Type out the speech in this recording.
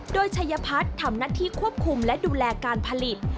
โดยชัยพัฒน์ทำหน้าที่ควบคุมและดูแลการผลิต